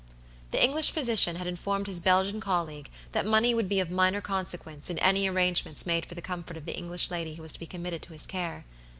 The English physician had informed his Belgian colleague that money would be of minor consequence in any arrangements made for the comfort of the English lady who was to be committed to his care.